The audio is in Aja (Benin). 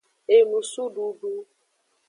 Enusududu.